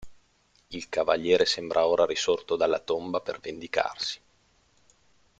Il cavaliere sembra ora risorto dalla tomba per vendicarsi.